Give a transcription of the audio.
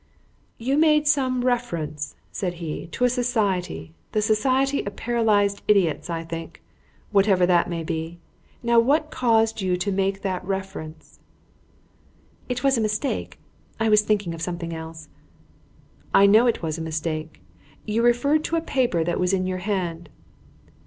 "You made some reference," said he, "to a society the Society of Paralysed Idiots, I think, whatever that may be. Now what caused you to make that reference?" "It was a mistake; I was thinking of something else." "I know it was a mistake. You referred to a paper that was in your hand."